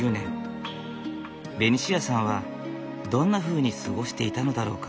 ベニシアさんはどんなふうに過ごしていたのだろうか。